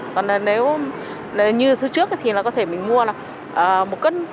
còn nếu như thứ trước thì mình có thể mua một cân